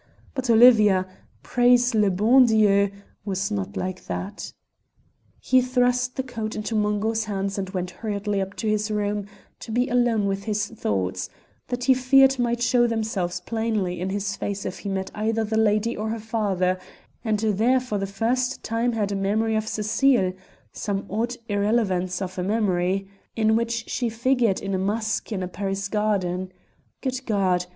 But Olivia praise le bon Dieu! was not like that. He thrust the coat into Mungo's hands and went hurriedly up to his room to be alone with his thoughts, that he feared might show themselves plainly in his face if he met either the lady or her father, and there for the first time had a memory of Cecile some odd irrelevance of a memory in which she figured in a masque in a Paris garden. Good God!